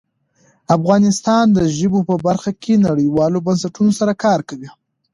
افغانستان د ژبو په برخه کې نړیوالو بنسټونو سره کار کوي.